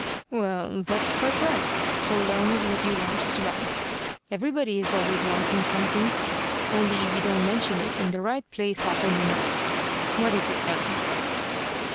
"Well, that's quite right, so long as what you want is right. Everybody is always wanting something; only we don't mention it in the right place often enough. What is it now?"